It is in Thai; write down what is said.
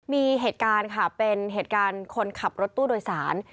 มีเหตุการณ์ค่ะเป็นเหตุการณ์คนขับรถตู้โดยสาร